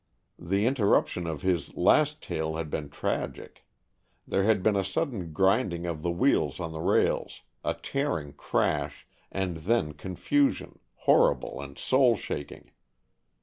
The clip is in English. The interruption of his last tale had been tragic. There had been a sudden grinding of the wheels on the rails, a tearing crash, and then confusion, horrible and soul shaking.